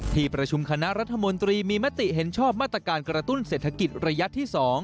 ที่ประชุมคณะรัฐมนตรีมีมติเห็นชอบมาตรการกระตุ้นเศรษฐกิจระยะที่๒